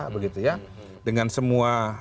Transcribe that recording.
begitu ya dengan semua